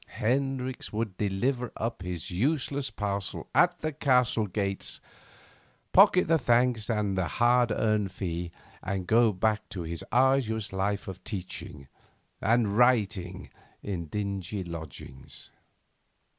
Hendricks would deliver up his useless parcel at the castle gates, pocket the thanks and the hard earned fee, and go back to his arduous life of teaching and writing in dingy lodgings.